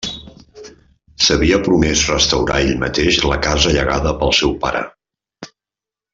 S'havia promès restaurar ell mateix la casa llegada pel seu pare.